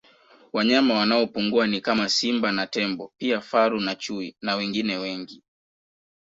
Wanyama wanaopungua ni kama Simba na Tembo pia Faru na Chui na wengine wengi